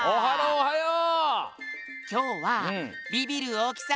おはよう！